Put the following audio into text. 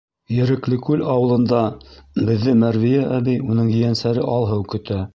— Ереклекүл ауылында беҙҙе Мәрвиә әбей. уның ейәнсәре Алһыу көтә.